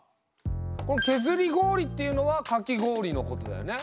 この削り氷っていうのはかき氷のことだよね？